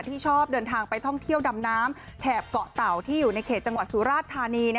ที่ชอบเดินทางไปท่องเที่ยวดำน้ำแถบเกาะเต่าที่อยู่ในเขตจังหวัดสุราชธานี